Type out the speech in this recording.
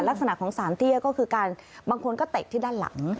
ลักษณะของสารเตี้ยก็คือการบางคนก็เตะที่ด้านหลัง